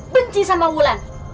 benci sama ulan